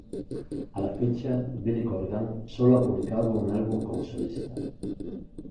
A la fecha, Billy Corgan solo ha publicado un álbum como solista.